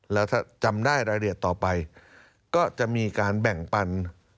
แล้วถ้าจำได้รายละเอียดต่อไปก็จะมีการแบ่งปัน